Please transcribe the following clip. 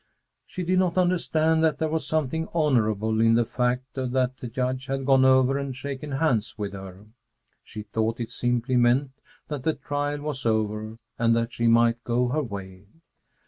She did not understand that there was something honorable in the fact that the Judge had gone over and shaken hands with her. She thought it simply meant that the trial was over and that she might go her way.